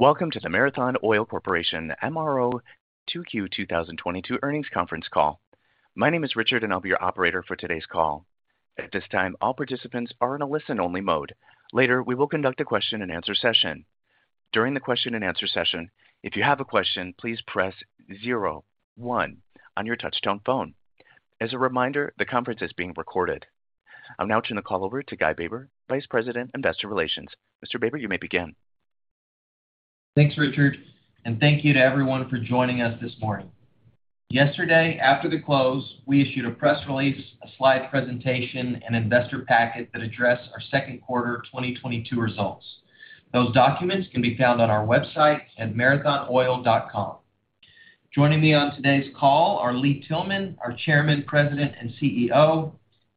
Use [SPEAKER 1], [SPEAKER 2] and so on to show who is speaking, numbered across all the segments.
[SPEAKER 1] Welcome to the Marathon Oil Corporation MRO 2Q 2022 Earnings Conference Call. My name is Richard, and I'll be your operator for today's call. At this time, all participants are in a listen-only mode. Later, we will conduct a question-and-answer session. During the question-and-answer session, if you have a question, please press zero one on your touchtone phone. As a reminder, the conference is being recorded. I'll now turn the call over to Guy Baber, Vice President, Investor Relations. Mr. Baber, you may begin.
[SPEAKER 2] Thanks, Richard, and thank you to everyone for joining us this morning. Yesterday, after the close, we issued a press release, a slide presentation, and investor packet that addressed our second quarter 2022 results. Those documents can be found on our website at marathonoil.com. Joining me on today's call are Lee Tillman, our Chairman, President, and CEO,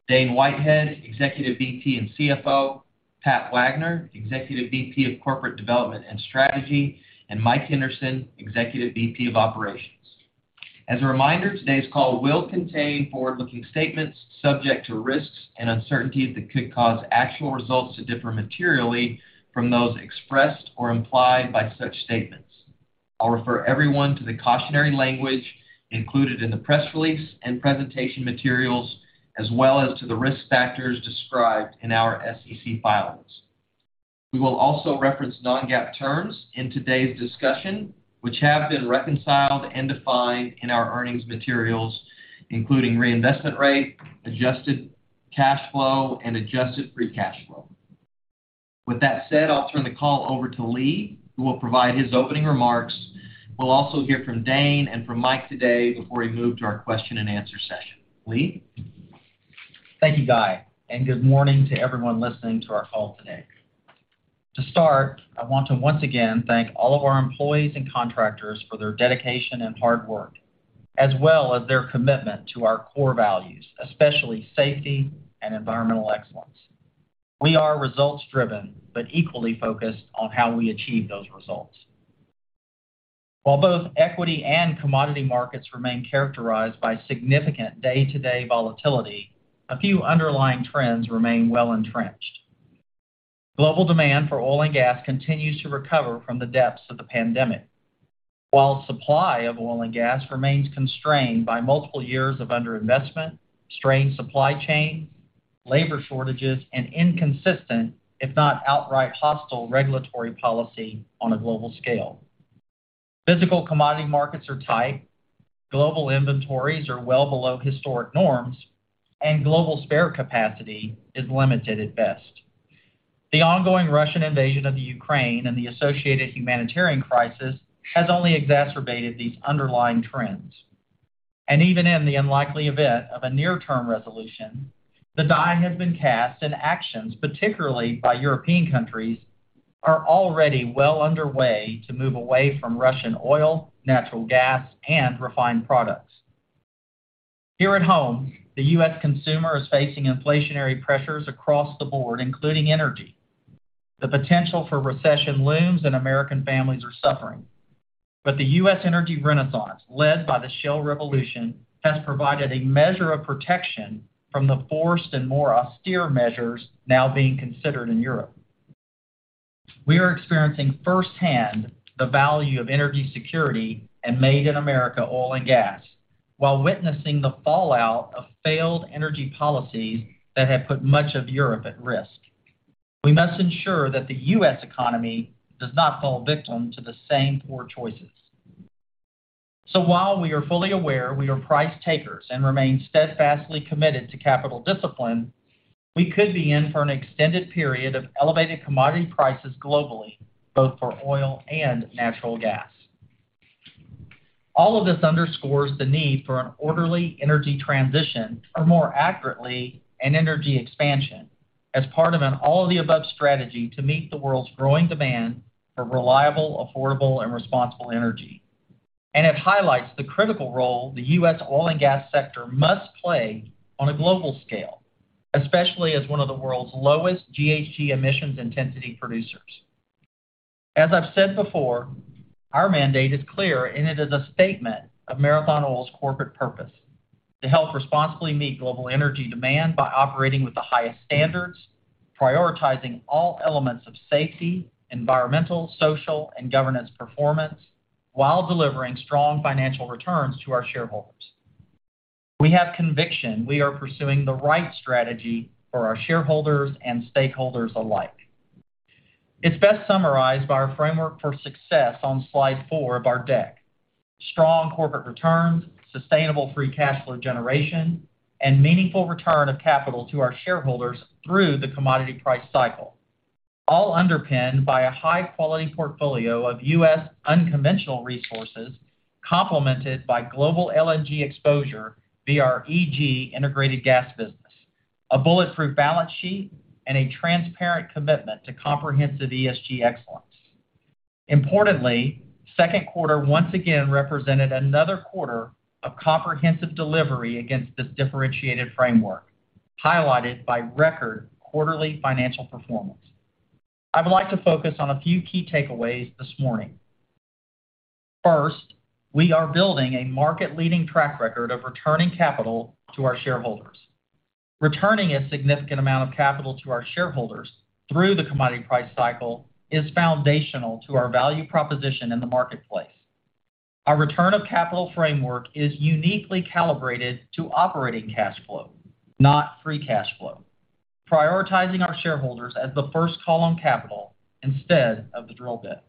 [SPEAKER 2] Dane Whitehead, Executive VP and CFO, Pat Wagner, Executive VP of Corporate Development and Strategy, and Mike Henderson, Executive VP of Operations. As a reminder, today's call will contain forward-looking statements subject to risks and uncertainties that could cause actual results to differ materially from those expressed or implied by such statements. I'll refer everyone to the cautionary language included in the press release and presentation materials, as well as to the risk factors described in our SEC filings. We will also reference non-GAAP terms in today's discussion, which have been reconciled and defined in our earnings materials, including reinvestment rate, adjusted cash flow, and adjusted free cash flow. With that said, I'll turn the call over to Lee, who will provide his opening remarks. We'll also hear from Dane and from Mike today before we move to our question-and-answer session. Lee?
[SPEAKER 3] Thank you, Guy, and good morning to everyone listening to our call today. To start, I want to once again thank all of our employees and contractors for their dedication and hard work, as well as their commitment to our core values, especially safety and environmental excellence. We are results-driven but equally focused on how we achieve those results. While both equity and commodity markets remain characterized by significant day-to-day volatility, a few underlying trends remain well-entrenched. Global demand for oil and gas continues to recover from the depths of the pandemic. While supply of oil and gas remains constrained by multiple years of under-investment, strained supply chains, labor shortages, and inconsistent, if not outright hostile, regulatory policy on a global scale. Physical commodity markets are tight, global inventories are well below historic norms, and global spare capacity is limited at best. The ongoing Russian invasion of the Ukraine and the associated humanitarian crisis has only exacerbated these underlying trends. Even in the unlikely event of a near-term resolution, the die has been cast, and actions, particularly by European countries, are already well underway to move away from Russian oil, natural gas, and refined products. Here at home, the U.S. consumer is facing inflationary pressures across the board, including energy. The potential for recession looms and American families are suffering. The U.S. energy renaissance, led by the shale revolution, has provided a measure of protection from the forced and more austere measures now being considered in Europe. We are experiencing firsthand the value of energy security and Made in America oil and gas while witnessing the fallout of failed energy policies that have put much of Europe at risk. We must ensure that the U.S. economy does not fall victim to the same poor choices. While we are fully aware we are price takers and remain steadfastly committed to capital discipline, we could be in for an extended period of elevated commodity prices globally, both for oil and natural gas. All of this underscores the need for an orderly energy transition or, more accurately, an energy expansion as part of an all-of-the-above strategy to meet the world's growing demand for reliable, affordable, and responsible energy. It highlights the critical role the U.S. oil and gas sector must play on a global scale, especially as one of the world's lowest GHG emissions intensity producers. As I've said before, our mandate is clear, and it is a statement of Marathon Oil's corporate purpose: To help responsibly meet global energy demand by operating with the highest standards, prioritizing all elements of safety, environmental, social, and governance performance, while delivering strong financial returns to our shareholders. We have conviction we are pursuing the right strategy for our shareholders and stakeholders alike. It's best summarized by our framework for success on slide four of our deck. Strong corporate returns, sustainable free cash flow generation, and meaningful return of capital to our shareholders through the commodity price cycle, all underpinned by a high-quality portfolio of U.S. unconventional resources complemented by global LNG exposure via our EG integrated gas business, a bulletproof balance sheet, and a transparent commitment to comprehensive ESG excellence. Importantly, second quarter once again represented another quarter of comprehensive delivery against this differentiated framework, highlighted by record quarterly financial performance. I would like to focus on a few key takeaways this morning. First, we are building a market-leading track record of returning capital to our shareholders. Returning a significant amount of capital to our shareholders through the commodity price cycle is foundational to our value proposition in the marketplace. Our return of capital framework is uniquely calibrated to operating cash flow, not free cash flow, prioritizing our shareholders as the first call on capital instead of the drill bit.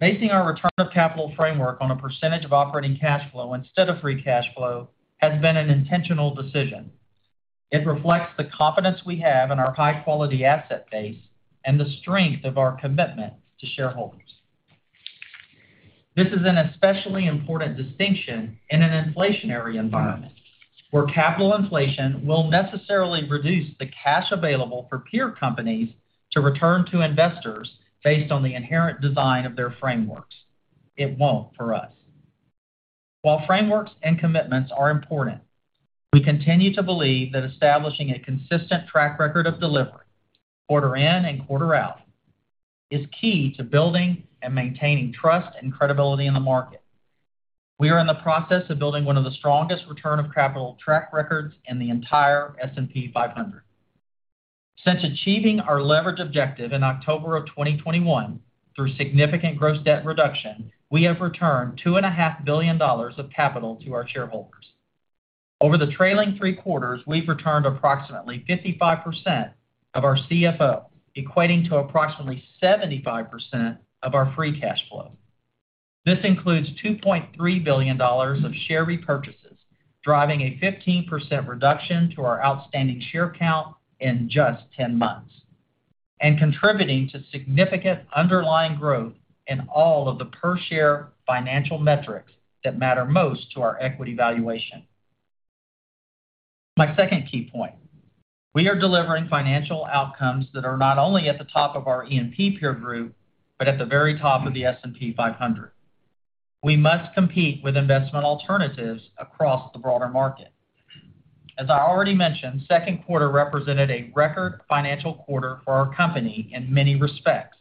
[SPEAKER 3] Basing our return of capital framework on a percentage of operating cash flow instead of free cash flow has been an intentional decision. It reflects the confidence we have in our high-quality asset base and the strength of our commitment to shareholders. This is an especially important distinction in an inflationary environment, where capital inflation will necessarily reduce the cash available for peer companies to return to investors based on the inherent design of their frameworks. It won't for us. While frameworks and commitments are important, we continue to believe that establishing a consistent track record of delivery quarter in and quarter out is key to building and maintaining trust and credibility in the market. We are in the process of building one of the strongest return of capital track records in the entire S&P 500. Since achieving our leverage objective in October 2021 through significant gross debt reduction, we have returned $2.5 billion of capital to our shareholders. Over the trailing three quarters, we've returned approximately 55% of our CFO, equating to approximately 75% of our free cash flow. This includes $2.3 billion of share repurchases, driving a 15% reduction to our outstanding share count in just 10 months and contributing to significant underlying growth in all of the per-share financial metrics that matter most to our equity valuation. My second key point, we are delivering financial outcomes that are not only at the top of our E&P peer group, but at the very top of the S&P 500. We must compete with investment alternatives across the broader market. As I already mentioned, second quarter represented a record financial quarter for our company in many respects,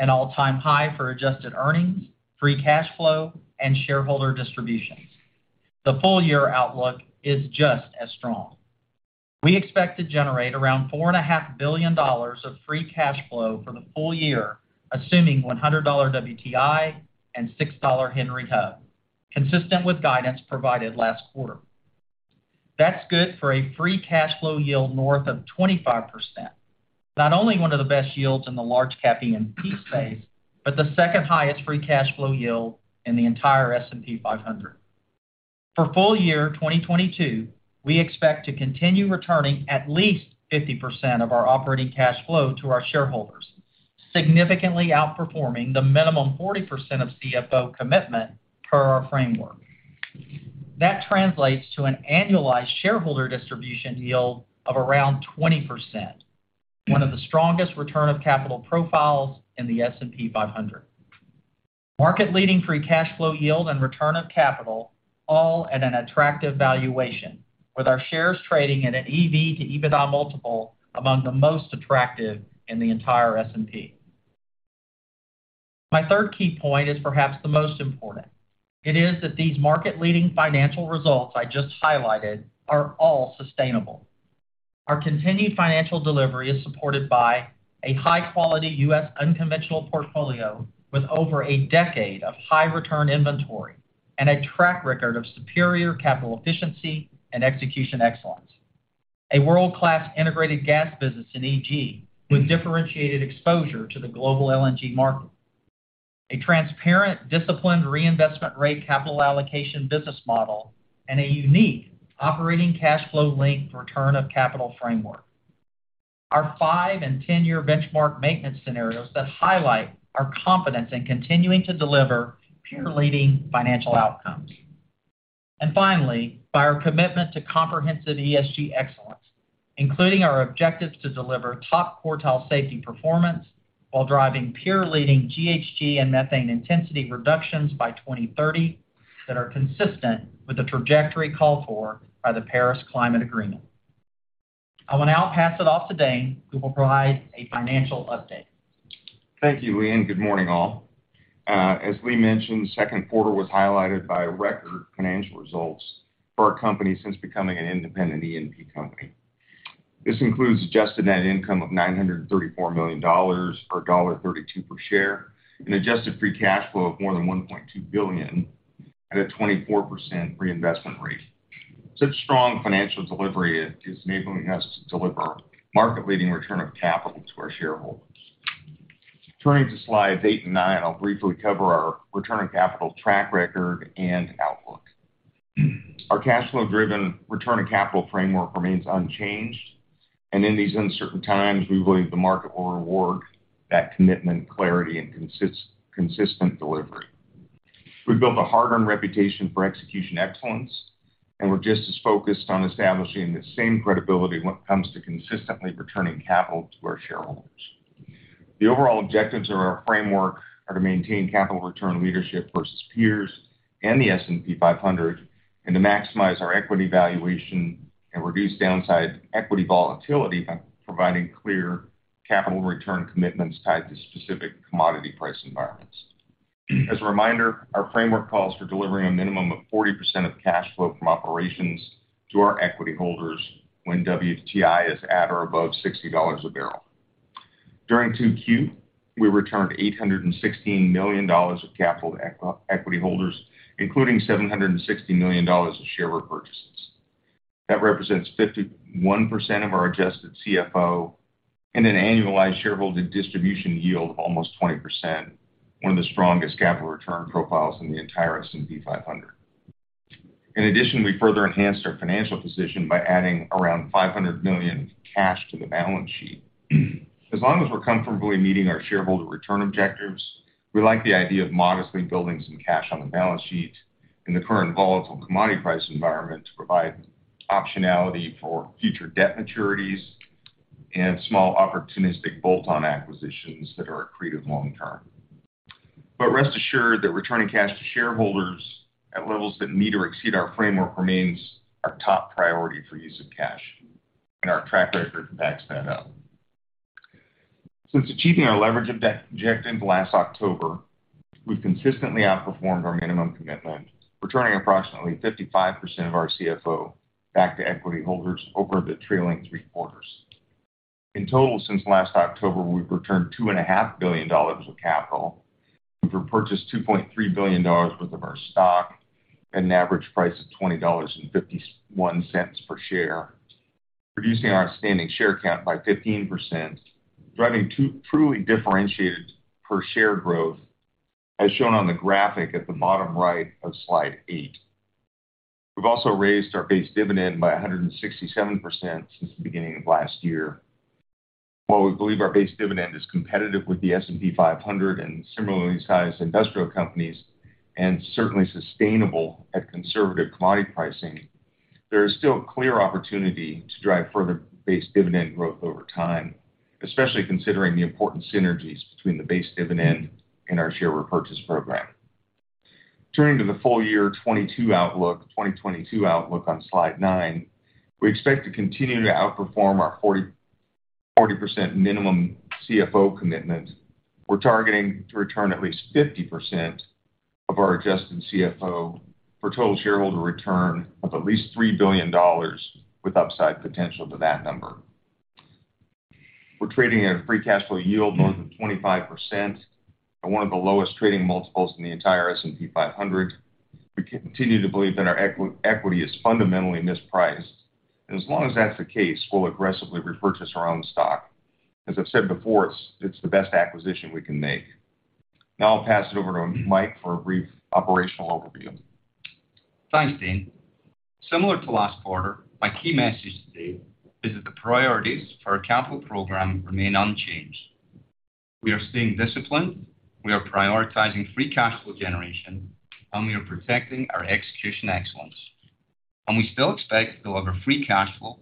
[SPEAKER 3] an all-time high for adjusted earnings, free cash flow, and shareholder distributions. The full-year outlook is just as strong. We expect to generate around $4.5 Billion of free cash flow for the full year, assuming $100 WTI and $6 Henry Hub, consistent with guidance provided last quarter. That's good for a free cash flow yield north of 25%. Not only one of the best yields in the large cap E&P space, but the second highest free cash flow yield in the entire S&P 500. For full year 2022, we expect to continue returning at least 50% of our operating cash flow to our shareholders, significantly outperforming the minimum 40% of CFO commitment per our framework. That translates to an annualized shareholder distribution yield of around 20%, one of the strongest return of capital profiles in the S&P 500. Market-leading free cash flow yield and return of capital all at an attractive valuation, with our shares trading at an EV to EBITDA multiple among the most attractive in the entire S&P. My third key point is perhaps the most important. It is that these market-leading financial results I just highlighted are all sustainable. Our continued financial delivery is supported by a high-quality U.S. unconventional portfolio with over a decade of high return inventory and a track record of superior capital efficiency and execution excellence. A world-class integrated gas business in EG with differentiated exposure to the global LNG market. A transparent, disciplined reinvestment rate capital allocation business model, and a unique operating cash flow linked return of capital framework. Our five and 10-year benchmark maintenance scenarios that highlight our confidence in continuing to deliver peer-leading financial outcomes. Finally, by our commitment to comprehensive ESG excellence, including our objectives to deliver top-quartile safety performance while driving peer-leading GHG and methane intensity reductions by 2030 that are consistent with the trajectory called for by the Paris Agreement. I will now pass it off to Dane, who will provide a financial update.
[SPEAKER 4] Thank you, Lee, and good morning, all. As Lee mentioned, second quarter was highlighted by record financial results for our company since becoming an independent E&P company. This includes adjusted net income of $934 million, or $3.32 per share, an adjusted free cash flow of more than $1.2 billion at a 24% reinvestment rate. Such strong financial delivery is enabling us to deliver market-leading return of capital to our shareholders. Turning to slides 8 and 9, I'll briefly cover our return of capital track record and outlook. Our cash flow-driven return of capital framework remains unchanged, and in these uncertain times, we believe the market will reward that commitment, clarity, and consistent delivery. We've built a hard-earned reputation for execution excellence, and we're just as focused on establishing the same credibility when it comes to consistently returning capital to our shareholders. The overall objectives of our framework are to maintain capital return leadership versus peers and the S&P 500, and to maximize our equity valuation and reduce downside equity volatility by providing clear capital return commitments tied to specific commodity price environments. As a reminder, our framework calls for delivering a minimum of 40% of cash flow from operations to our equity holders when WTI is at or above $60 a barrel. During 2Q, we returned $816 million of capital to equity holders, including $760 million in share repurchases. That represents 51% of our adjusted CFO and an annualized shareholder distribution yield almost 20%, one of the strongest capital return profiles in the entire S&P 500. In addition, we further enhanced our financial position by adding around $500 million cash to the balance sheet. As long as we're comfortably meeting our shareholder return objectives, we like the idea of modestly building some cash on the balance sheet in the current volatile commodity price environment to provide optionality for future debt maturities and small opportunistic bolt-on acquisitions that are accretive long term. Rest assured that returning cash to shareholders at levels that meet or exceed our framework remains our top priority for use of cash. Our track record backs that up. Since achieving our leverage objective last October, we've consistently outperformed our minimum commitment, returning approximately 55% of our CFO back to equity holders over the trailing three quarters. In total, since last October, we've returned $2.5 billion of capital. We've repurchased $2.3 billion worth of our stock at an average price of $20.51 per share, reducing our outstanding share count by 15%, driving truly differentiated per share growth, as shown on the graphic at the bottom right of slide 8. We've also raised our base dividend by 167% since the beginning of last year. While we believe our base dividend is competitive with the S&P 500 and similarly sized industrial companies, and certainly sustainable at conservative commodity pricing, there is still a clear opportunity to drive further base dividend growth over time, especially considering the important synergies between the base dividend and our share repurchase program. Turning to the full year 2022 outlook on slide nine. We expect to continue to outperform our 40% minimum CFO commitment. We're targeting to return at least 50% of our adjusted CFO for total shareholder return of at least $3 billion, with upside potential to that number. We're trading at a free cash flow yield of more than 25% and one of the lowest trading multiples in the entire S&P 500. We continue to believe that our equity is fundamentally mispriced. As long as that's the case, we'll aggressively repurchase our own stock. As I've said before, it's the best acquisition we can make. Now I'll pass it over to Mike for a brief operational overview.
[SPEAKER 5] Thanks, Dane. Similar to last quarter, my key message today is that the priorities for our capital program remain unchanged. We are staying disciplined, we are prioritizing free cash flow generation, and we are protecting our execution excellence. We still expect to deliver free cash flow,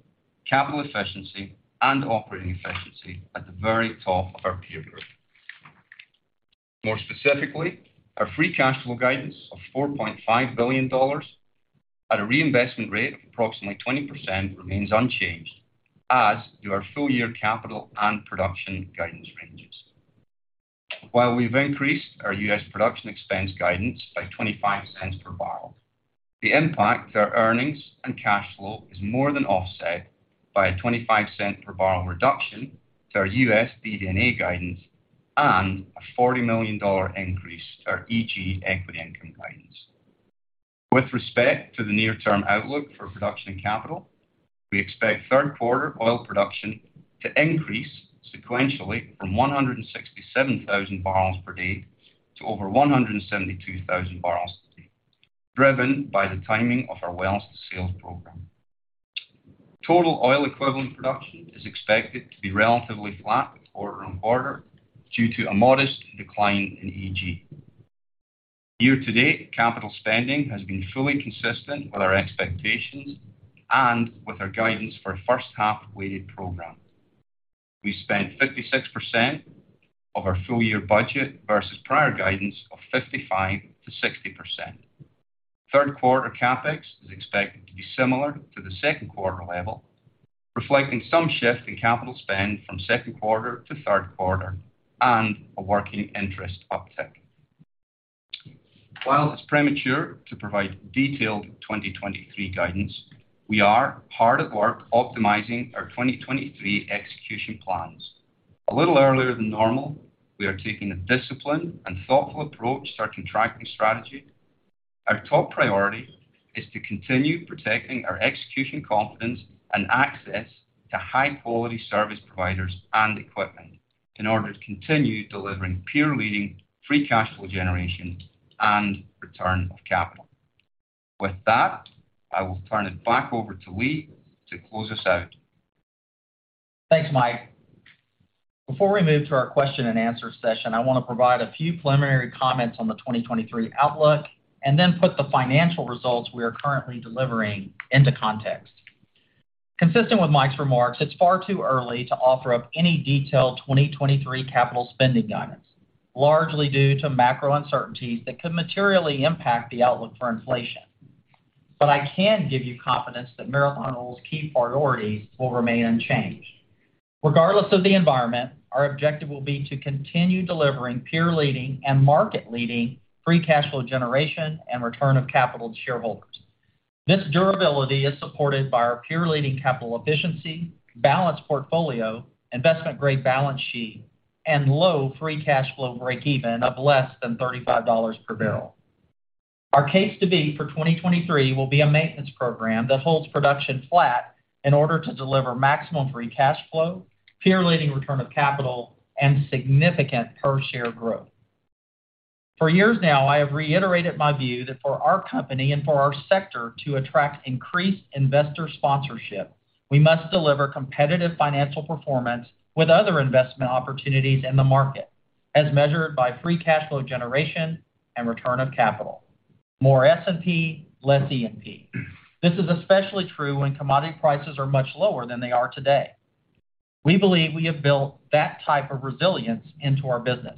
[SPEAKER 5] capital efficiency, and operating efficiency at the very top of our peer group. More specifically, our free cash flow guidance of $4.5 billion at a reinvestment rate of approximately 20% remains unchanged as do our full-year capital and production guidance ranges. While we've increased our U.S. production expense guidance by 25 cents per barrel, the impact to our earnings and cash flow is more than offset by a $0.25-per-barrel reduction to our U.S. DD&A guidance and a $40 million increase to our EG equity income guidance. With respect to the near-term outlook for production and capital, we expect third quarter oil production to increase sequentially from 167,000 barrels per day to over 172,000 barrels per day, driven by the timing of our wells to sales program. Total oil equivalent production is expected to be relatively flat quarter-over-quarter due to a modest decline in NGL. Year to date, capital spending has been fully consistent with our expectations and with our guidance for first-half weighted program. We spent 56% of our full year budget versus prior guidance of 55%-60%. Third quarter CapEx is expected to be similar to the second quarter level, reflecting some shift in capital spend from second quarter to third quarter and a working interest uptick. While it's premature to provide detailed 2023 guidance, we are hard at work optimizing our 2023 execution plans. A little earlier than normal, we are taking a disciplined and thoughtful approach to our contracting strategy. Our top priority is to continue protecting our execution confidence and access to high-quality service providers and equipment in order to continue delivering peer-leading free cash flow generation and return of capital. With that, I will turn it back over to Lee to close us out.
[SPEAKER 3] Thanks, Mike. Before we move to our question and answer session, I want to provide a few preliminary comments on the 2023 outlook and then put the financial results we are currently delivering into context. Consistent with Mike's remarks, it's far too early to offer up any detailed 2023 capital spending guidance, largely due to macro uncertainties that could materially impact the outlook for inflation. I can give you confidence that Marathon Oil's key priorities will remain unchanged. Regardless of the environment, our objective will be to continue delivering peer-leading and market-leading free cash flow generation and return of capital to shareholders. This durability is supported by our peer-leading capital efficiency, balanced portfolio, investment-grade balance sheet, and low free cash flow breakeven of less than $35 per barrel. Our case to be for 2023 will be a maintenance program that holds production flat in order to deliver maximum free cash flow, peer-leading return of capital, and significant per share growth. For years now, I have reiterated my view that for our company and for our sector to attract increased investor sponsorship, we must deliver competitive financial performance with other investment opportunities in the market, as measured by free cash flow generation and return of capital. More S&P, less E&P. This is especially true when commodity prices are much lower than they are today. We believe we have built that type of resilience into our business.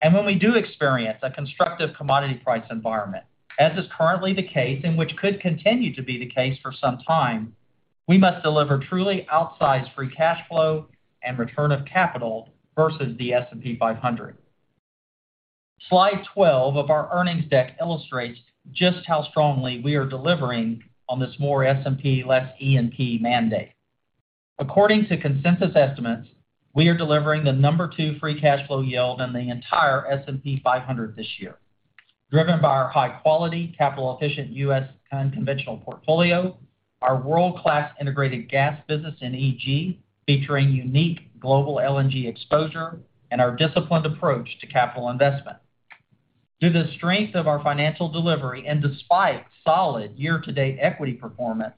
[SPEAKER 3] When we do experience a constructive commodity price environment, as is currently the case, and which could continue to be the case for some time, we must deliver truly outsized free cash flow and return of capital versus the S&P 500. Slide 12 of our earnings deck illustrates just how strongly we are delivering on this more S&P, less E&P mandate. According to consensus estimates, we are delivering the number two free cash flow yield in the entire S&P 500 this year, driven by our high quality, capital efficient U.S. unconventional portfolio, our world-class integrated gas business in EG, featuring unique global LNG exposure, and our disciplined approach to capital investment. Through the strength of our financial delivery and despite solid year-to-date equity performance,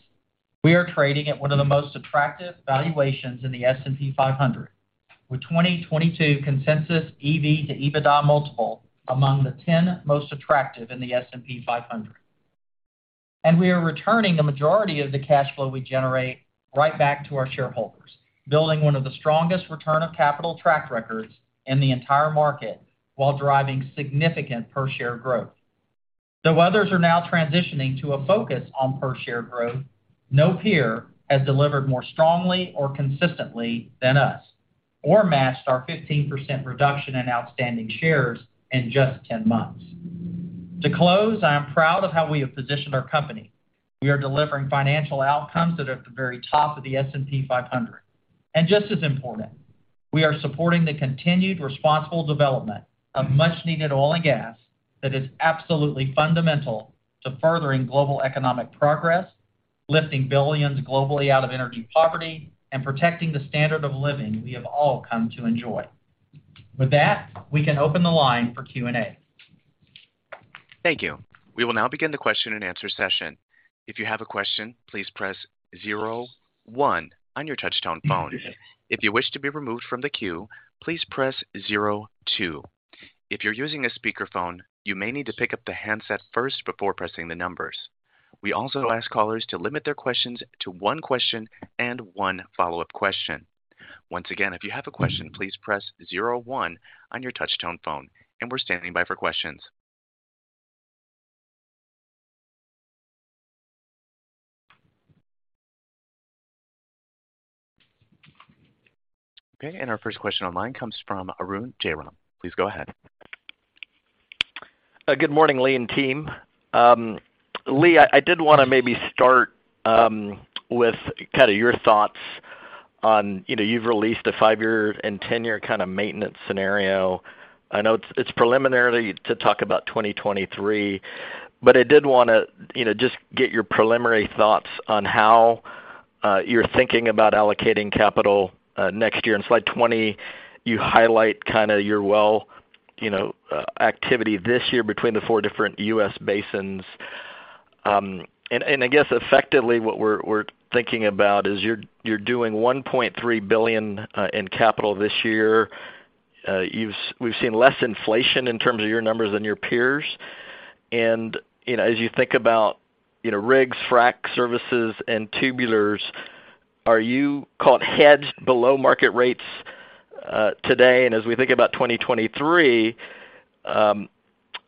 [SPEAKER 3] we are trading at one of the most attractive valuations in the S&P 500, with 2022 consensus EV to EBITDA multiple among the 10 most attractive in the S&P 500. We are returning the majority of the cash flow we generate right back to our shareholders, building one of the strongest return of capital track records in the entire market while driving significant per share growth. Though others are now transitioning to a focus on per share growth, no peer has delivered more strongly or consistently than us or matched our 15% reduction in outstanding shares in just 10 months. To close, I am proud of how we have positioned our company. We are delivering financial outcomes that are at the very top of the S&P 500. Just as important, we are supporting the continued responsible development of much-needed oil and gas that is absolutely fundamental to furthering global economic progress, lifting billions globally out of energy poverty, and protecting the standard of living we have all come to enjoy. With that, we can open the line for Q&A.
[SPEAKER 1] Thank you. We will now begin the question-and-answer session. If you have a question, please press zero one on your touch tone phone. If you wish to be removed from the queue, please press zero two. If you're using a speakerphone, you may need to pick up the handset first before pressing the numbers. We also ask callers to limit their questions to one question and one follow-up question. Once again, if you have a question, please press zero one on your touch tone phone and we're standing by for questions. Okay. Our first question online comes from Arun Jayaram. Please go ahead.
[SPEAKER 6] Good morning, Lee and team. Lee, I did wanna maybe start with kinda your thoughts on, you know, you've released a five-year and 10-year kinda maintenance scenario. I know it's preliminary to talk about 2023, but I did wanna, you know, just get your preliminary thoughts on how you're thinking about allocating capital next year. On slide 20, you highlight kinda your well activity this year between the four different U.S. basins. I guess effectively what we're thinking about is you're doing $1.3 billion in capital this year. We've seen less inflation in terms of your numbers than your peers. You know, as you think about, you know, rigs, frack services, and tubulars, are you cost hedged below market rates today? As we think about 2023,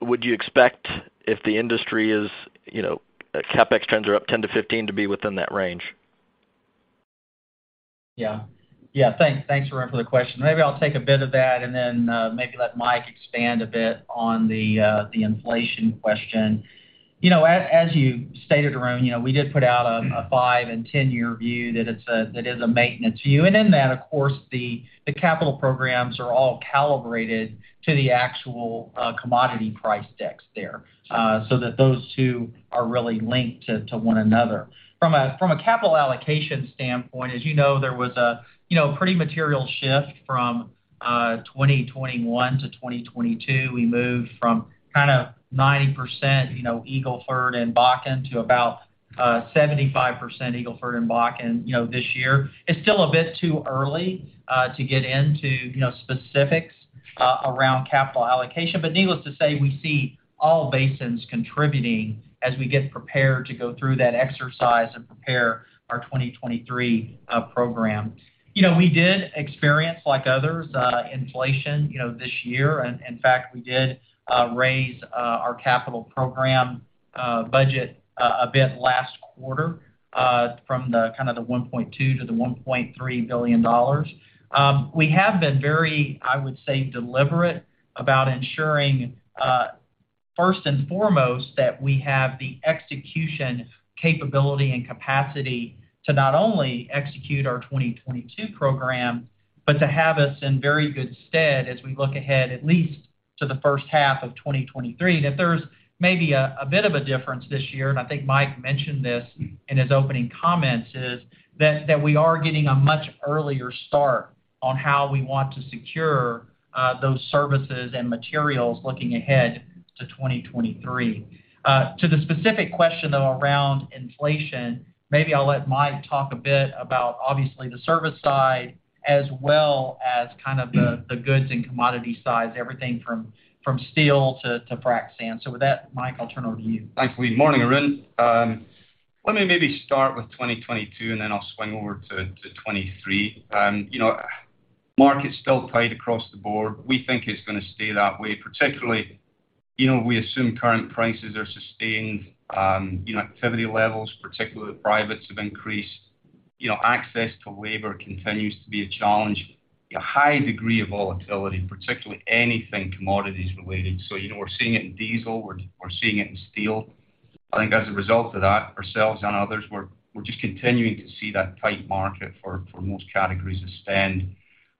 [SPEAKER 6] would you expect if the industry is CapEx trends are up 10%-15% to be within that range?
[SPEAKER 3] Thanks, Arun, for the question. Maybe I'll take a bit of that and then maybe let Mike expand a bit on the inflation question. You know, as you stated, Arun, you know, we did put out a five- and 10-year view that is a maintenance view. In that, of course, the capital programs are all calibrated to the actual commodity price decks there, so that those two are really linked to one another. From a capital allocation standpoint, as you know, there was a pretty material shift from 2021 - 2022. We moved from kinda 90%, you know, Eagle Ford and Bakken to about 75% Eagle Ford and Bakken, you know, this year. It's still a bit too early to get into, you know, specifics around capital allocation. Needless to say, we see all basins contributing as we get prepared to go through that exercise and prepare our 2023 program. You know, we did experience, like others, inflation, you know, this year. In fact, we did raise our capital program budget a bit last quarter from kind of the $1.2 billion-$1.3 billion. We have been very, I would say, deliberate about ensuring first and foremost that we have the execution capability and capacity to not only execute our 2022 program, but to have us in very good stead as we look ahead at least to the first half of 2023. That there's maybe a bit of a difference this year, and I think Mike mentioned this in his opening comments, is that we are getting a much earlier start on how we want to secure those services and materials looking ahead to 2023. To the specific question, though, around inflation, maybe I'll let Mike talk a bit about obviously the service side as well as kind of the goods and commodity sides, everything from steel to frac sand. With that, Mike, I'll turn it over to you.
[SPEAKER 5] Thanks, Lee. Morning, Arun. Let me maybe start with 2022, and then I'll swing over to 2023. You know, market's still tight across the board. We think it's gonna stay that way, particularly, you know, we assume current prices are sustained. You know, activity levels, particularly the privates, have increased. You know, access to labor continues to be a challenge. A high degree of volatility, particularly anything commodities related. So, you know, we're seeing it in diesel. We're seeing it in steel. I think as a result of that, ourselves and others, we're just continuing to see that tight market for most categories of spend.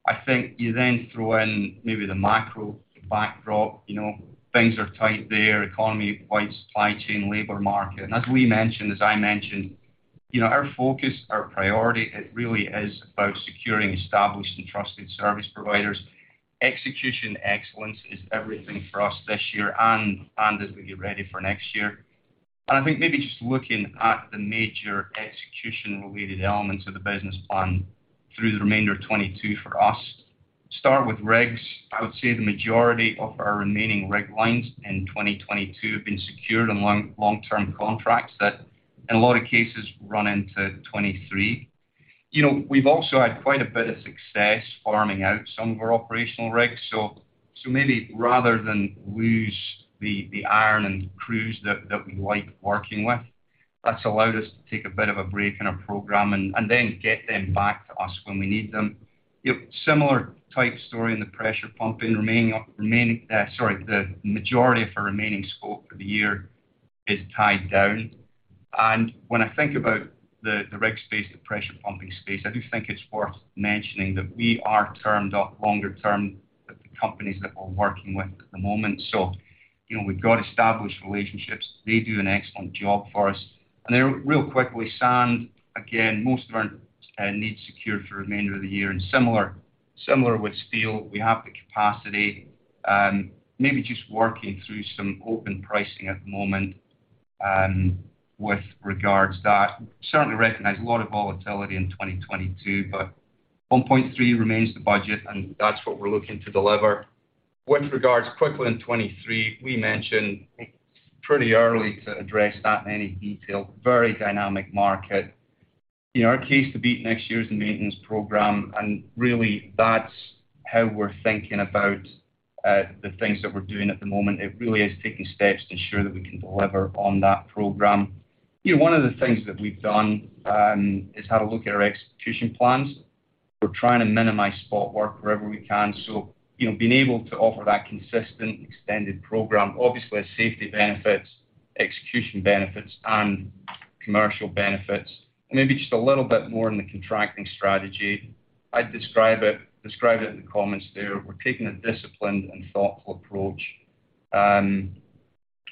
[SPEAKER 5] I think you then throw in maybe the macro backdrop, you know. Things are tight there, economy wide, supply chain, labor market. as we mentioned, as I mentioned, you know, our focus, our priority, it really is about securing established and trusted service providers. Execution excellence is everything for us this year and as we get ready for next year. I think maybe just looking at the major execution-related elements of the business plan through the remainder of 2022 for us. Start with rigs. I would say the majority of our remaining rig lines in 2022 have been secured on long, long-term contracts that in a lot of cases run into 2023. You know, we've also had quite a bit of success farming out some of our operational rigs. Maybe rather than lose the iron and crews that we like working with, that's allowed us to take a bit of a break in our program and then get them back to us when we need them. You know, similar type story in the pressure pumping. The majority of our remaining scope for the year is tied down. When I think about the rig space, the pressure pumping space, I do think it's worth mentioning that we are termed up longer term with the companies that we're working with at the moment. You know, we've got established relationships. They do an excellent job for us. Then real quickly, sand. Again, most of our needs secured for the remainder of the year. Similar with steel, we have the capacity, maybe just working through some open pricing at the moment, with regard to that. Certainly recognize a lot of volatility in 2022, but $1.3 remains the budget, and that's what we're looking to deliver. With regards, quickly on 2023, we mentioned it's pretty early to address that in any detail. Very dynamic market. In our case, the base next year is the maintenance program, and really that's how we're thinking about the things that we're doing at the moment. It really is taking steps to ensure that we can deliver on that program. You know, one of the things that we've done is have a look at our execution plans. We're trying to minimize spot work wherever we can. You know, being able to offer that consistent extended program obviously has safety benefits, execution benefits, and commercial benefits. Maybe just a little bit more on the contracting strategy. I'd describe it in the comments there. We're taking a disciplined and thoughtful approach.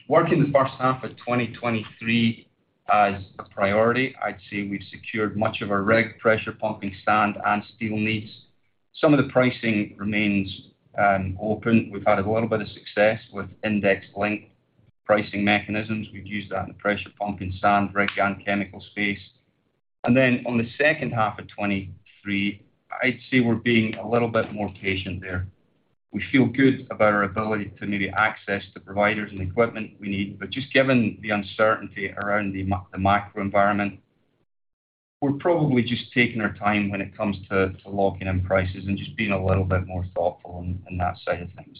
[SPEAKER 5] Working the first half of 2023 as a priority, I'd say we've secured much of our rig pressure pumping sand and steel needs. Some of the pricing remains open. We've had a little bit of success with index-linked pricing mechanisms. We've used that in the pressure pumping sand, rig, and chemical space. Then on the second half of 2023, I'd say we're being a little bit more patient there. We feel good about our ability to maybe access the providers and equipment we need. Just given the uncertainty around the macro environment, we're probably just taking our time when it comes to locking in prices and just being a little bit more thoughtful in that side of things.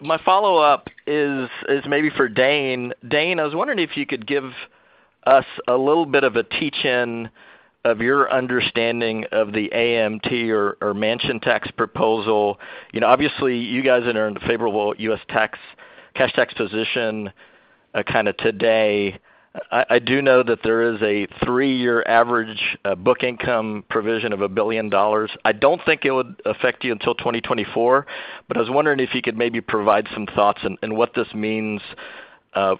[SPEAKER 6] My follow-up is maybe for Dane. Dane, I was wondering if you could give us a little bit of a teach-in of your understanding of the AMT or Manchin tax proposal. You know, obviously, you guys are in a favorable U.S. tax, cash tax position, kinda today. I do know that there is a three-year average book income provision of a billion dollars. I don't think it would affect you until 2024, but I was wondering if you could maybe provide some thoughts on what this means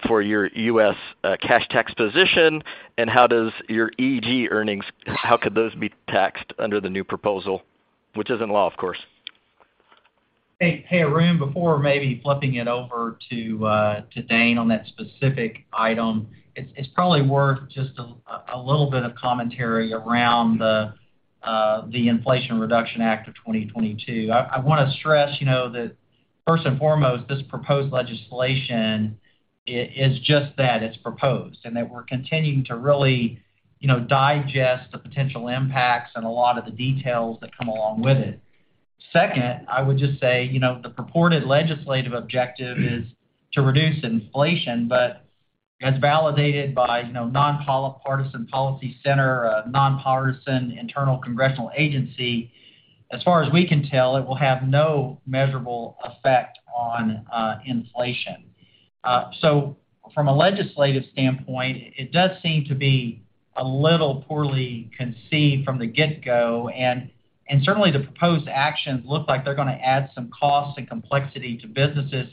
[SPEAKER 6] for your U.S. cash tax position and how does your EBITDA earnings, how could those be taxed under the new proposal, which is in law, of course?
[SPEAKER 5] Hey, hey, Arun, before maybe flipping it over to Dane on that specific item, it's probably worth just a little bit of commentary around the Inflation Reduction Act of 2022. I wanna stress, you know, that first and foremost, this proposed legislation is just that, it's proposed, and that we're continuing to really, you know, digest the potential impacts and a lot of the details that come along with it.
[SPEAKER 3] Second, I would just say, you know, the purported legislative objective is to reduce inflation, but as validated by, you know, non-partisan policy center, a non-partisan internal congressional agency, as far as we can tell, it will have no measurable effect on inflation. From a legislative standpoint, it does seem to be a little poorly conceived from the get-go. Certainly the proposed actions look like they're gonna add some costs and complexity to businesses,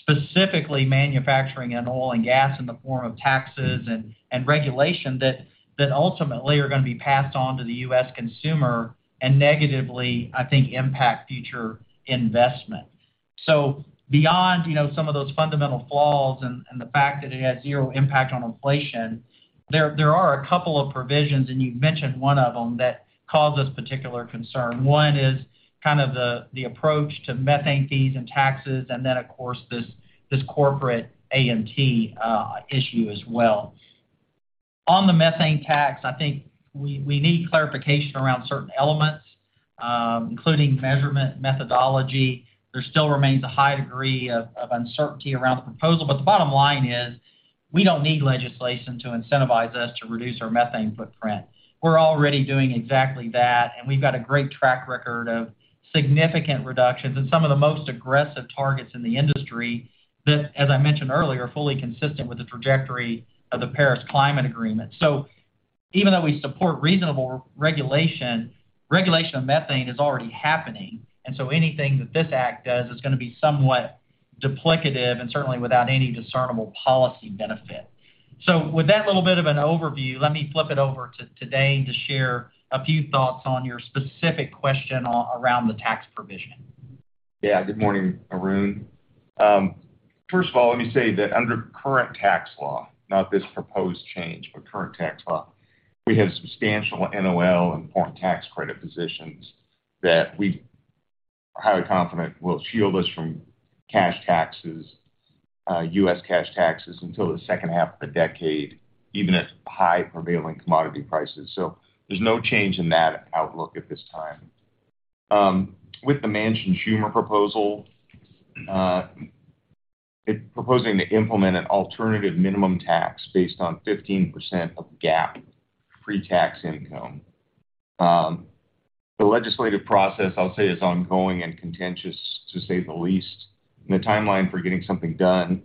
[SPEAKER 3] specifically manufacturing and oil and gas in the form of taxes and regulation that ultimately are gonna be passed on to the U.S. consumer and negatively, I think, impact future investment. Beyond, you know, some of those fundamental flaws and the fact that it has zero impact on inflation, there are a couple of provisions, and you've mentioned one of them, that cause us particular concern. One is kind of the approach to methane fees and taxes and then, of course, this corporate AMT issue as well. On the methane tax, I think we need clarification around certain elements, including measurement methodology. There still remains a high degree of uncertainty around the proposal. But the bottom line is we don't need legislation to incentivize us to reduce our methane footprint. We're already doing exactly that, and we've got a great track record of significant reductions and some of the most aggressive targets in the industry that, as I mentioned earlier, are fully consistent with the trajectory of the Paris Climate Agreement. Even though we support reasonable regulation of methane is already happening. Anything that this act does is gonna be somewhat duplicative and certainly without any discernible policy benefit. With that little bit of an overview, let me flip it over to Dane to share a few thoughts on your specific question on around the tax provision.
[SPEAKER 4] Yeah. Good morning, Arun. First of all, let me say that under current tax law, not this proposed change, but current tax law, we have substantial NOL and foreign tax credit positions that we're highly confident will shield us from cash taxes, U.S. cash taxes until the second half of the decade, even at high prevailing commodity prices. There's no change in that outlook at this time. With the Manchin-Schumer proposal, it's proposing to implement an alternative minimum tax based on 15% of GAAP pre-tax income. The legislative process, I'll say, is ongoing and contentious, to say the least. The timeline for getting something done,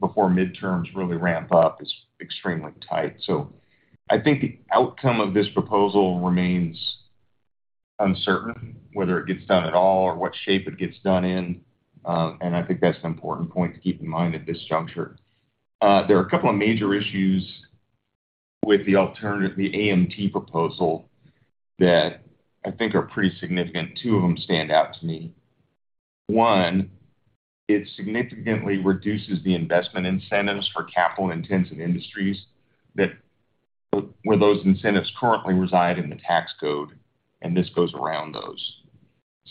[SPEAKER 4] before midterms really ramp up is extremely tight. I think the outcome of this proposal remains uncertain, whether it gets done at all or what shape it gets done in. I think that's an important point to keep in mind at this juncture. There are a couple of major issues with the AMT proposal that I think are pretty significant. Two of them stand out to me. One, it significantly reduces the investment incentives for capital-intensive industries where those incentives currently reside in the tax code, and this goes around those.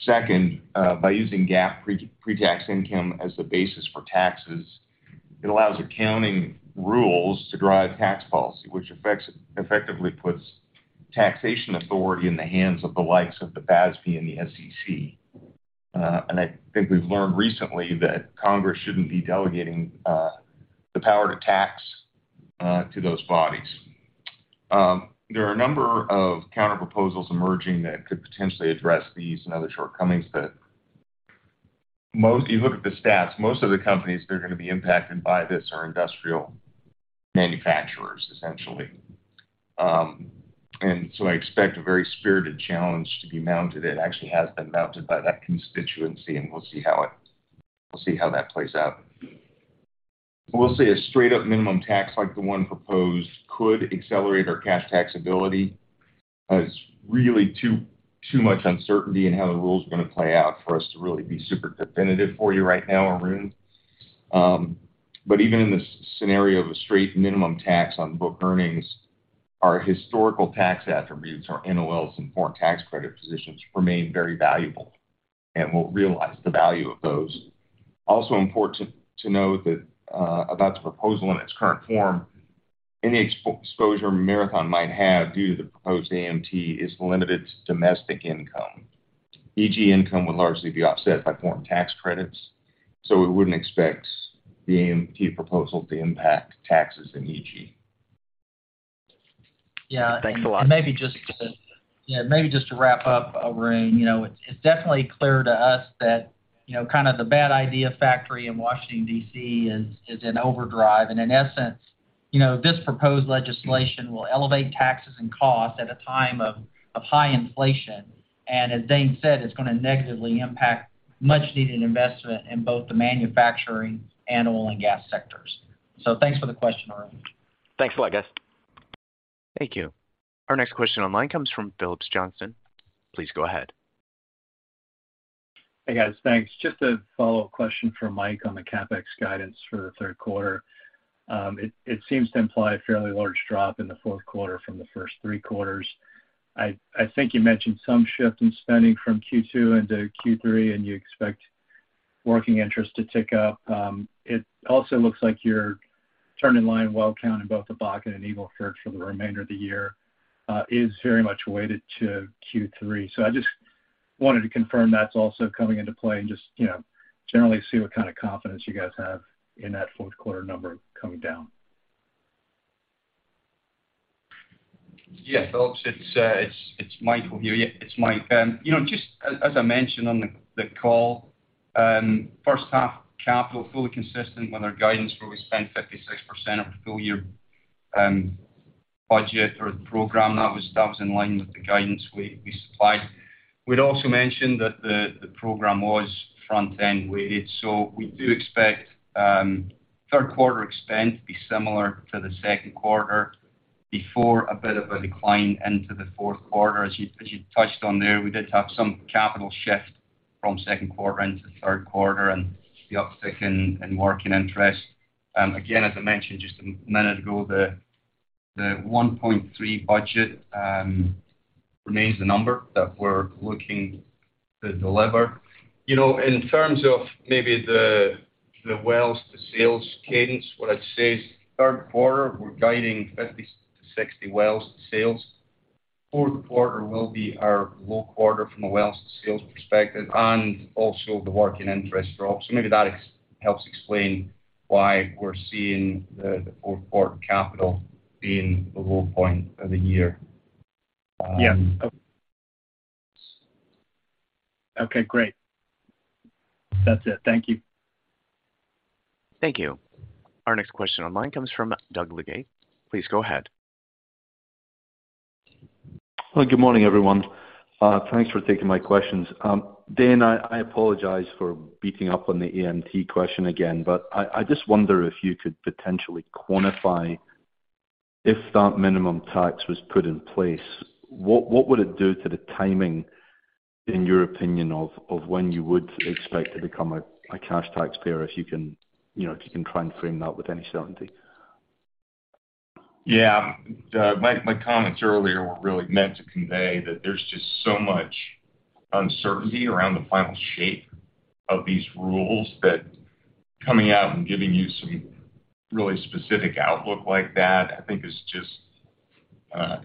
[SPEAKER 4] Second, by using GAAP pre-tax income as the basis for taxes, it allows accounting rules to drive tax policy, which effectively puts taxation authority in the hands of the likes of the FASB and the SEC. I think we've learned recently that Congress shouldn't be delegating the power to tax to those bodies. There are a number of counter proposals emerging that could potentially address these and other shortcomings that most. You look at the stats, most of the companies that are gonna be impacted by this are industrial manufacturers, essentially. I expect a very spirited challenge to be mounted. It actually has been mounted by that constituency, and we'll see how that plays out. We'll say a straight-up minimum tax like the one proposed could accelerate our cash taxability. It's really too much uncertainty in how the rules are gonna play out for us to really be super definitive for you right now, Arun. Even in the scenario of a straight minimum tax on book earnings, our historical tax attributes, our NOLs and foreign tax credit positions remain very valuable, and we'll realize the value of those. Also important to know that about the proposal in its current form, any exposure Marathon might have due to the proposed AMT is limited to domestic income. EG income would largely be offset by foreign tax credits, so we wouldn't expect the AMT proposal to impact taxes in EG.
[SPEAKER 6] Yeah. Thanks a lot.
[SPEAKER 3] Yeah, maybe just to wrap up, Arun. You know, it's definitely clear to us that, you know, kind of the bad idea factory in Washington, D.C. is in overdrive. In essence, you know, this proposed legislation will elevate taxes and costs at a time of high inflation. As Dane said, it's gonna negatively impact much-needed investment in both the manufacturing and oil and gas sectors. Thanks for the question, Arun.
[SPEAKER 6] Thanks a lot, guys.
[SPEAKER 1] Thank you. Our next question online comes from John Phillips. Please go ahead.
[SPEAKER 7] Hey, guys. Thanks. Just a follow-up question for Mike on the CapEx guidance for the third quarter. It seems to imply a fairly large drop in the fourth quarter from the first three quarters. I think you mentioned some shift in spending from Q2 into Q3, and you expect working interest to tick up. It also looks like your turn in line well count in both the Bakken and Eagle Ford for the remainder of the year is very much weighted to Q3. I just wanted to confirm that's also coming into play and just, you know, generally see what kind of confidence you guys have in that fourth quarter number coming down.
[SPEAKER 5] Yeah. Phillips, it's Mike. You know, just as I mentioned on the call, first half capital fully consistent with our guidance where we spent 56% of the full year budget or the program. That was in line with the guidance we supplied. We'd also mentioned that the program was front end weighted, so we do expect third quarter spend to be similar to the second quarter before a bit of a decline into the fourth quarter. As you touched on there, we did have some capital shift from second quarter into third quarter and the uptick in working interest. Again, as I mentioned just a minute ago, the $1.3 budget remains the number that we're looking to deliver. You know, in terms of maybe the wells to sales cadence, what I'd say is third quarter, we're guiding 50-60 wells to sales. Fourth quarter will be our low quarter from a wells to sales perspective and also the working interest drop. Maybe that helps explain why we're seeing the fourth quarter capital being the low point of the year.
[SPEAKER 7] Yeah. Okay, great. That's it. Thank you.
[SPEAKER 1] Thank you. Our next question online comes from Doug Leggate. Please go ahead.
[SPEAKER 8] Well, good morning, everyone. Thanks for taking my questions. Dane, I apologize for beating up on the AMT question again, but I just wonder if you could potentially quantify if that minimum tax was put in place, what would it do to the timing, in your opinion, of when you would expect to become a cash taxpayer. If you can, you know, if you can try and frame that with any certainty.
[SPEAKER 4] Yeah. My comments earlier were really meant to convey that there's just so much uncertainty around the final shape of these rules that coming out and giving you some really specific outlook like that, I think is just,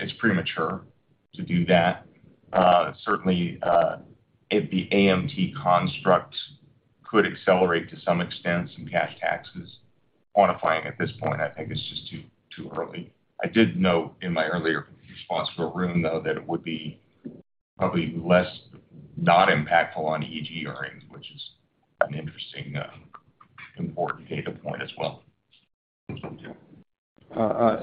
[SPEAKER 4] it's premature to do that. Certainly, the AMT construct could accelerate to some extent some cash taxes. Quantifying at this point, I think it's just too early. I did note in my earlier response to Arun though, that it would be probably less not impactful on EG earnings, which is an interesting, important data point as well.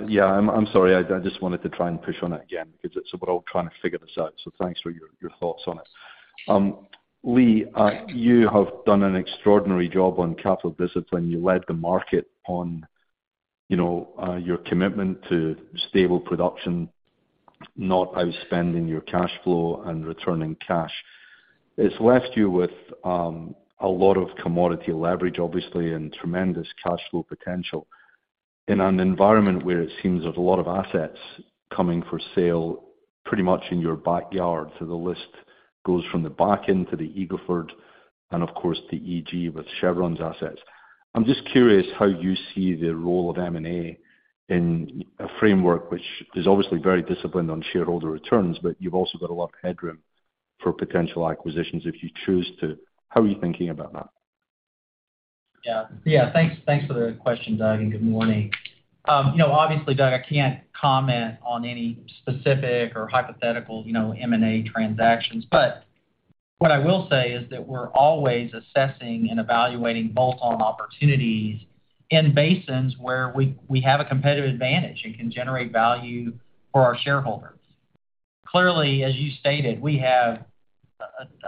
[SPEAKER 8] Yeah. I'm sorry. I just wanted to try and push on it again because we're all trying to figure this out, so thanks for your thoughts on it. Lee, you have done an extraordinary job on capital discipline. You led the market on, you know, your commitment to stable production, not outspending your cash flow and returning cash. It's left you with a lot of commodity leverage obviously, and tremendous cash flow potential in an environment where it seems there's a lot of assets coming for sale pretty much in your backyard. The list goes from the Bakken to the Eagle Ford, and of course the Permian with Chevron's assets. I'm just curious how you see the role of M&A in a framework which is obviously very disciplined on shareholder returns, but you've also got a lot of headroom for potential acquisitions if you choose to. How are you thinking about that?
[SPEAKER 3] Yeah. Thanks for the question, Doug, and good morning. You know, obviously, Doug, I can't comment on any specific or hypothetical, you know, M&A transactions. What I will say is that we're always assessing and evaluating bolt-on opportunities in basins where we have a competitive advantage and can generate value for our shareholders. Clearly, as you stated, we have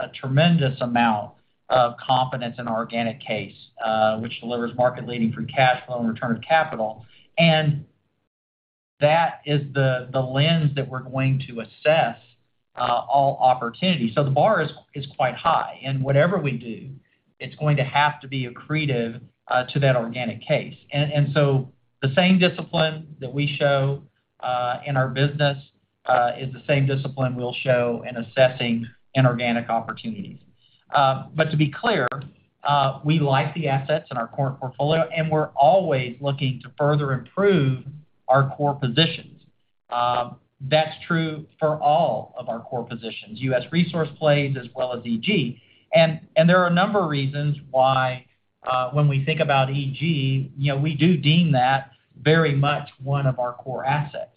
[SPEAKER 3] a tremendous amount of confidence in our organic case, which delivers market leading free cash flow and return of capital. That is the lens that we're going to assess all opportunities. The bar is quite high. Whatever we do, it's going to have to be accretive to that organic case. The same discipline that we show in our business is the same discipline we'll show in assessing inorganic opportunities. To be clear, we like the assets in our core portfolio, and we're always looking to further improve our core positions. That's true for all of our core positions, U.S. resource plays as well as EG. There are a number of reasons why, when we think about EG, you know, we do deem that very much one of our core assets.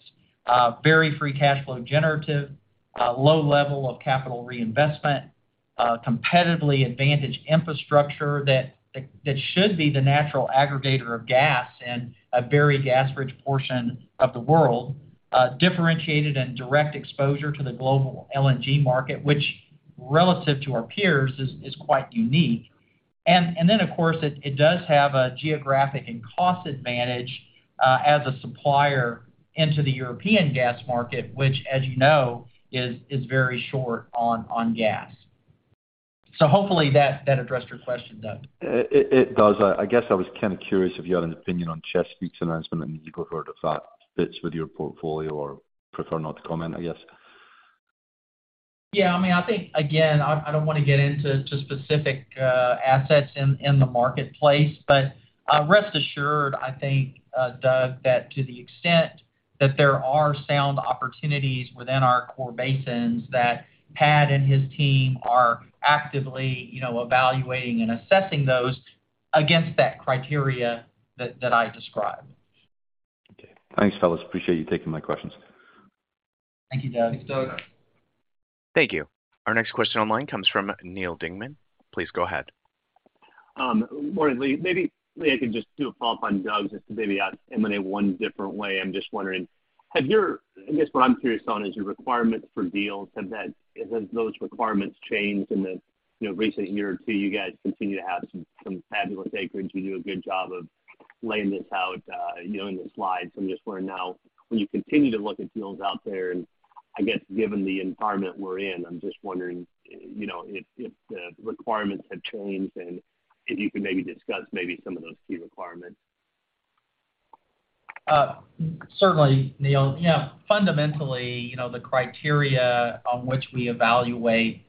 [SPEAKER 3] Very free cash flow generative, low level of capital reinvestment, competitively advantaged infrastructure that should be the natural aggregator of gas in a very gas-rich portion of the world. Differentiated and direct exposure to the global LNG market, which relative to our peers is quite unique. Of course, it does have a geographic and cost advantage as a supplier into the European gas market, which as you know, is very short on gas. Hopefully that addressed your question, Doug.
[SPEAKER 8] It does. I guess I was kind of curious if you had an opinion on Chesapeake's announcement and Eagle Ford, if that fits with your portfolio or prefer not to comment, I guess.
[SPEAKER 3] Yeah, I mean, I think again, I don't wanna get into specific assets in the marketplace. Rest assured, I think, Doug, that to the extent that there are sound opportunities within our core basins that Pat and his team are actively, you know, evaluating and assessing those against that criteria that I described.
[SPEAKER 8] Okay. Thanks, fellas. Appreciate you taking my questions.
[SPEAKER 3] Thank you, Doug.
[SPEAKER 4] Thanks, Doug.
[SPEAKER 1] Thank you. Our next question online comes from Neal Dingmann. Please go ahead.
[SPEAKER 9] Morning, Lee. Maybe, Lee, I can just do a follow-up on Doug, just to maybe ask M&A one different way. I'm just wondering, have your requirements for deals, I guess, what I'm curious on is your requirements for deals, have those requirements changed in the, you know, recent year or two? You guys continue to have some fabulous acreage. You do a good job of laying this out, you know, in the slides. I'm just wondering now, when you continue to look at deals out there, and I guess, given the environment we're in, I'm just wondering, you know, if the requirements have changed and if you could maybe discuss some of those key requirements.
[SPEAKER 3] Certainly, Neal. Yeah, fundamentally, you know, the criteria on which we evaluate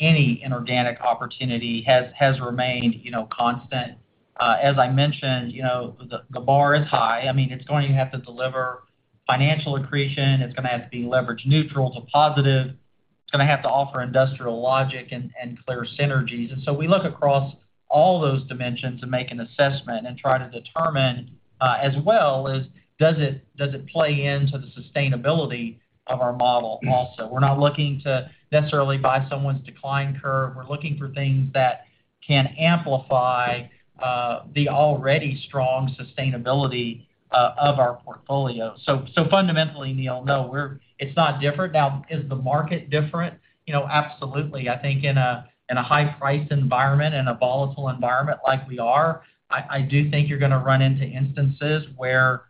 [SPEAKER 3] any inorganic opportunity has remained, you know, constant. As I mentioned, you know, the bar is high. I mean, it's going to have to deliver financial accretion, it's gonna have to be leverage neutral to positive, it's gonna have to offer industrial logic and clear synergies. So we look across all those dimensions and make an assessment and try to determine, as well as does it play into the sustainability of our model also? We're not looking to necessarily buy someone's decline curve. We're looking for things that can amplify the already strong sustainability of our portfolio. So, fundamentally, Neal, no, we're, it's not different. Now, is the market different? You know, absolutely. I think in a high price environment and a volatile environment like we are, I do think you're gonna run into instances where,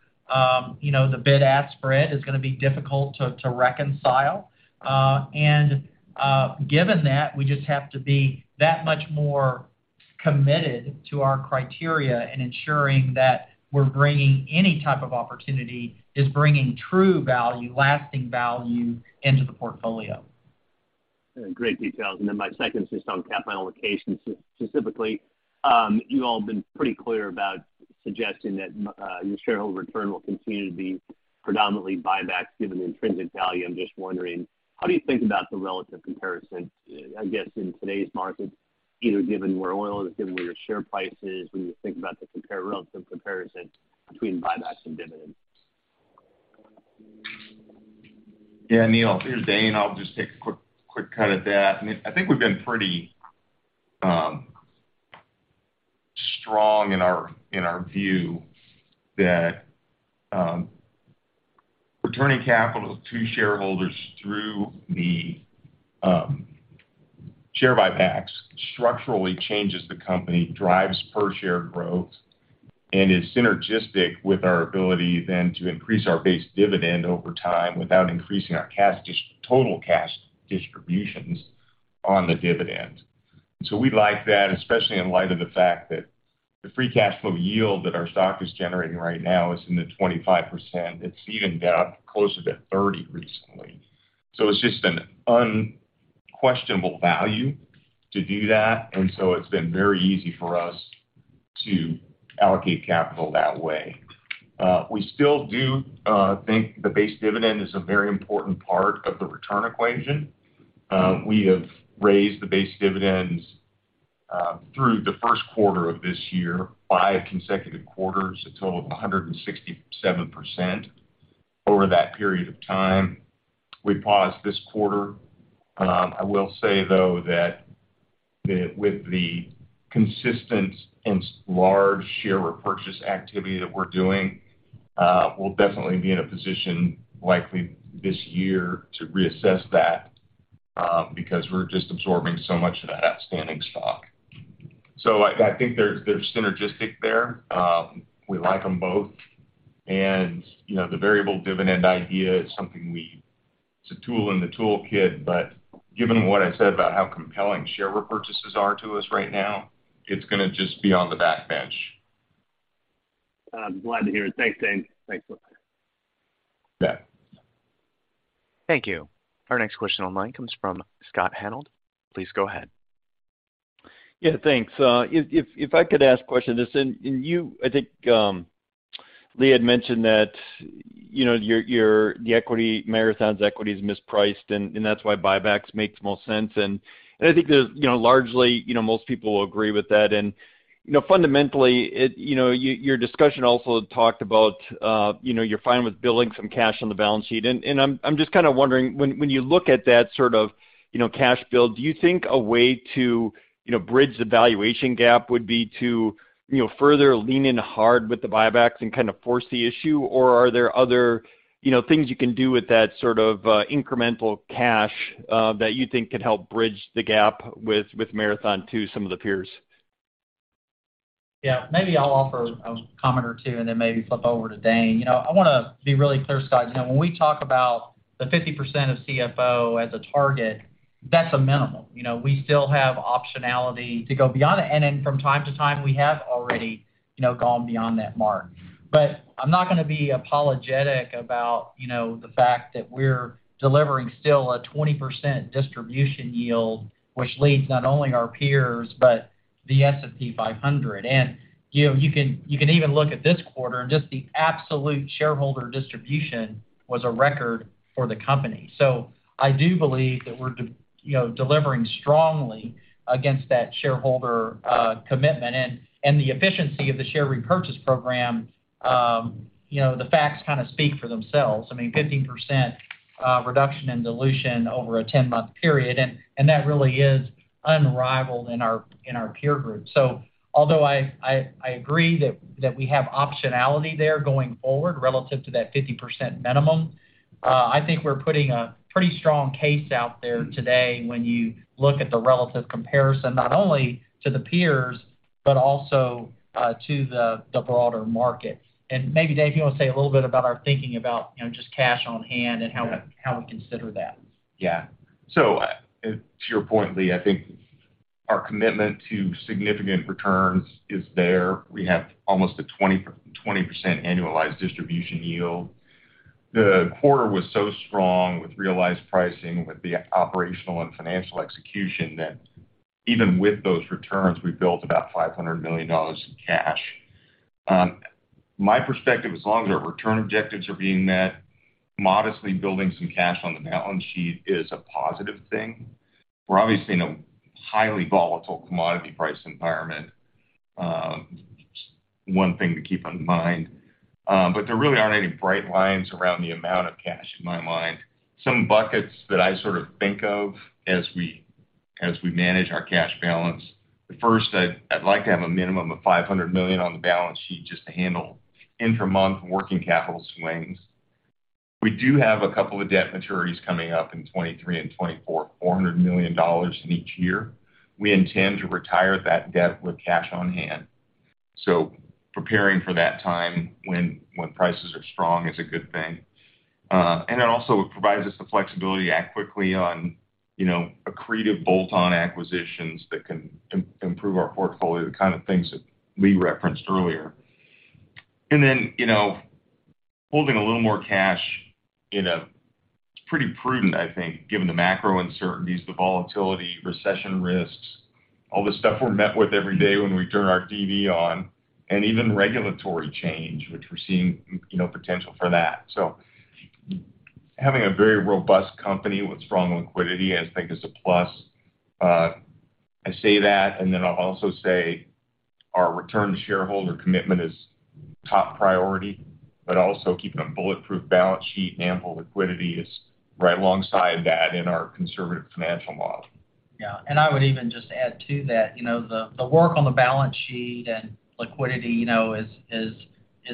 [SPEAKER 3] you know, the bid-ask spread is gonna be difficult to reconcile. Given that, we just have to be that much more committed to our criteria and ensuring that we're bringing any type of opportunity is bringing true value, lasting value into the portfolio.
[SPEAKER 9] Great details. My second is just on capital allocation specifically. You all have been pretty clear about suggesting that your shareholder return will continue to be predominantly buybacks given the intrinsic value. I'm just wondering, how do you think about the relative comparison, I guess in today's market, either given where oil is, given where your share price is, when you think about the relative comparison between buybacks and dividends?
[SPEAKER 4] Yeah, Neal, here's Dane. I'll just take a quick cut at that. I think we've been pretty strong in our view that returning capital to shareholders through the share buybacks structurally changes the company, drives per share growth, and is synergistic with our ability then to increase our base dividend over time without increasing our total cash distributions on the dividend. We like that, especially in light of the fact that the free cash flow yield that our stock is generating right now is in the 25%. It's even got closer to 30% recently. It's just an unquestionable value to do that, and it's been very easy for us to allocate capital that way. We still do think the base dividend is a very important part of the return equation. We have raised the base dividends through the first quarter of this year, five consecutive quarters, a total of 167% over that period of time. We paused this quarter. I will say, though, that with the consistent and large share repurchase activity that we're doing, we'll definitely be in a position likely this year to reassess that, because we're just absorbing so much of that outstanding stock. I think they're synergistic there. We like them both. You know, the variable dividend idea is something. It's a tool in the toolkit, but given what I said about how compelling share repurchases are to us right now, it's gonna just be on the backbench.
[SPEAKER 9] I'm glad to hear it. Thanks, Dane. Thanks.
[SPEAKER 4] Yeah.
[SPEAKER 1] Thank you. Our next question online comes from Scott Hanold. Please go ahead.
[SPEAKER 10] Yeah, thanks. If I could ask a question. Listen, I think Lee had mentioned that, you know, your equity, Marathon's equity is mispriced, and that's why buybacks makes more sense. I think there's, you know, largely, you know, most people will agree with that. Fundamentally, it, you know, your discussion also talked about, you know, you're fine with building some cash on the balance sheet. I'm just kinda wondering, when you look at that sort of, you know, cash build, do you think a way to, you know, bridge the valuation gap would be to, you know, further lean in hard with the buybacks and kind of force the issue?
[SPEAKER 3] Or are there other, you know, things you can do with that sort of, incremental cash, that you think could help bridge the gap with Marathon to some of the peers? Yeah. Maybe I'll offer a comment or two and then maybe flip over to Dane. You know, I wanna be really clear, Scott, you know, when we talk about the 50% of CFO as a target. That's a minimum. You know, we still have optionality to go beyond it. Then from time to time, we have already, you know, gone beyond that mark. But I'm not gonna be apologetic about, you know, the fact that we're delivering still a 20% distribution yield, which leads not only our peers, but the S&P 500. You can even look at this quarter and just the absolute shareholder distribution was a record for the company. I do believe that we're delivering strongly against that shareholder commitment. The efficiency of the share repurchase program, the facts kinda speak for themselves. 15% reduction in dilution over a 10-month period, and that really is unrivaled in our peer group. Although I agree that we have optionality there going forward relative to that 50% minimum, I think we're putting a pretty strong case out there today when you look at the relative comparison not only to the peers, but also to the broader markets. Maybe Dane Whitehead, you wanna say a little bit about our thinking about, you know, just cash on hand and how we consider that.
[SPEAKER 4] Yeah. To your point, Lee, I think our commitment to significant returns is there. We have almost a 20%-20% annualized distribution yield. The quarter was so strong with realized pricing with the operational and financial execution that even with those returns, we built about $500 million in cash. My perspective, as long as our return objectives are being met, modestly building some cash on the balance sheet is a positive thing. We're obviously in a highly volatile commodity price environment, one thing to keep in mind. There really aren't any bright lines around the amount of cash in my mind. Some buckets that I sort of think of as we manage our cash balance. The first, I'd like to have a minimum of $500 million on the balance sheet just to handle intra-month working capital swings. We do have a couple of debt maturities coming up in 2023 and 2024, $400 million in each year. We intend to retire that debt with cash on hand. Preparing for that time when prices are strong is a good thing. It also provides us the flexibility to act quickly on, you know, accretive bolt-on acquisitions that can improve our portfolio, the kind of things that Lee referenced earlier. You know, holding a little more cash, you know, it's pretty prudent, I think, given the macro uncertainties, the volatility, recession risks, all the stuff we're met with every day when we turn our TV on, and even regulatory change, which we're seeing, you know, potential for that. Having a very robust company with strong liquidity, I think is a plus. I say that, and then I'll also say our return to shareholder commitment is top priority, but also keeping a bulletproof balance sheet and ample liquidity is right alongside that in our conservative financial model.
[SPEAKER 3] Yeah. I would even just add to that, you know, the work on the balance sheet and liquidity, you know, is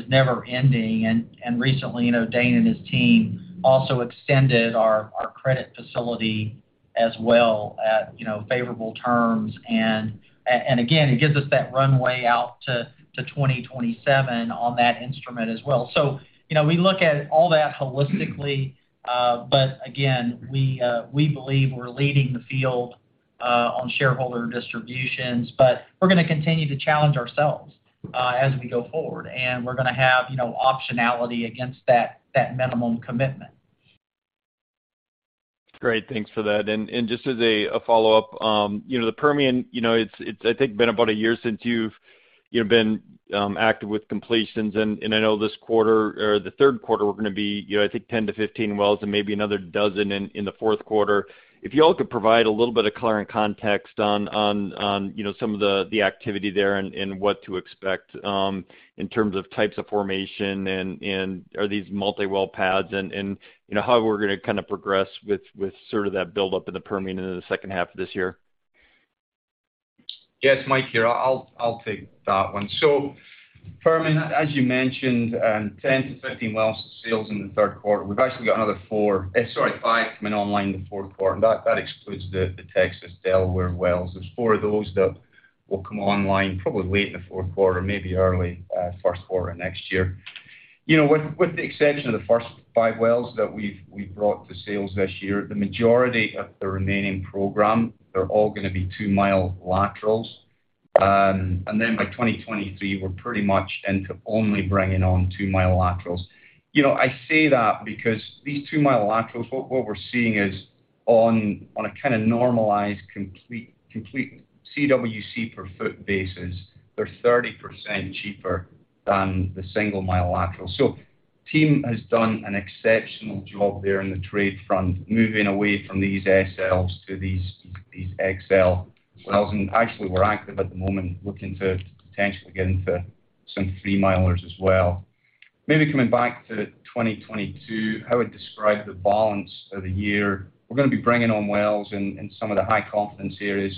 [SPEAKER 3] never ending. Recently, you know, Dane and his team also extended our credit facility as well at, you know, favorable terms. Again, it gives us that runway out to 2027 on that instrument as well. You know, we look at all that holistically. Again, we believe we're leading the field on shareholder distributions, but we're gonna continue to challenge ourselves as we go forward. We're gonna have, you know, optionality against that minimum commitment.
[SPEAKER 10] Great. Thanks for that. Just as a follow-up, you know, the Permian, you know, it's I think been about a year since you've been active with completions. I know this quarter or the third quarter, we're gonna be, you know, I think 10-15 wells and maybe another 12 in the fourth quarter. If y'all could provide a little bit of color and context on you know, some of the activity there and what to expect in terms of types of formation and are these multi-well pads and you know, how we're gonna kinda progress with sort of that buildup in the Permian in the second half of this year.
[SPEAKER 5] Yes, Mike here. I'll take that one. Permian, as you mentioned, 10-15 well sales in the third quarter. We've actually got another five coming online in the fourth quarter. That excludes the Texas Delaware wells. There's four of those that will come online probably late in the fourth quarter, maybe early first quarter of next year. You know, with the exception of the first five wells that we've brought to sales this year, the majority of the remaining program, they're all gonna be two-mile laterals. By 2023, we're pretty much into only bringing on two-mile laterals. You know, I say that because these two-mile laterals, what we're seeing is on a kinda normalized complete CWC per foot basis. They're 30% cheaper than the single mile lateral. Team has done an exceptional job there on the drilling front, moving away from these SLs to these XL wells. Actually we're active at the moment, looking to potentially get into some three-milers as well. Maybe coming back to 2022, how we describe the balance of the year, we're gonna be bringing on wells in some of the high confidence areas.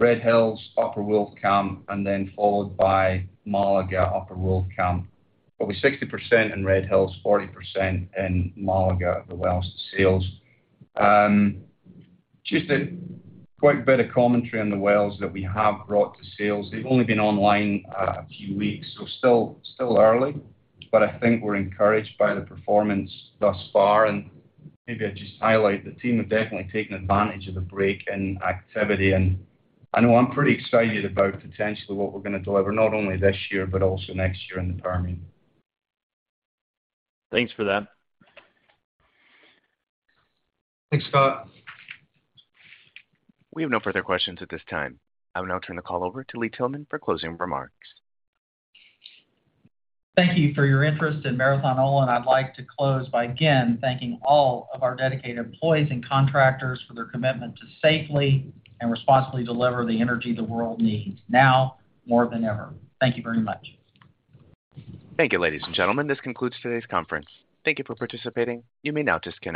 [SPEAKER 5] Red Hills, Upper Wolfcamp, and then followed by Malaga Upper Wolfcamp. Probably 60% in Red Hills, 40% in Malaga, the wells to sales. Just quite a bit of commentary on the wells that we have brought to sales. They've only been online a few weeks, so still early, but I think we're encouraged by the performance thus far. Maybe I just highlight the team have definitely taken advantage of the break in activity. I know I'm pretty excited about potentially what we're gonna deliver not only this year, but also next year in the Permian.
[SPEAKER 10] Thanks for that.
[SPEAKER 5] Thanks, Scott.
[SPEAKER 1] We have no further questions at this time. I'll now turn the call over to Lee Tillman for closing remarks.
[SPEAKER 3] Thank you for your interest in Marathon Oil, and I'd like to close by again thanking all of our dedicated employees and contractors for their commitment to safely and responsibly deliver the energy the world needs now more than ever. Thank you very much.
[SPEAKER 1] Thank you, ladies and gentlemen. This concludes today's conference. Thank you for participating. You may now disconnect.